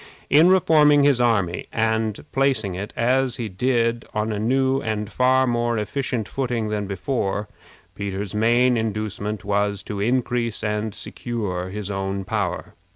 In reforming his army, and placing it, as he did, on a new and far more efficient footing than before, Peter's main inducement was to increase and secure his own power.